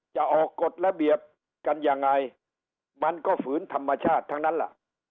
จะออกกฎระเบียบกันยังไงมันก็ฝืนธรรมชาติทั้งนั้นล่ะ